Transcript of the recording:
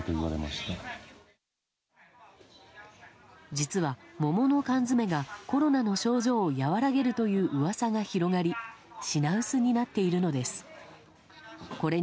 実は、桃の缶詰がコロナの症状を和らげるという噂が広がり品薄になっているのです。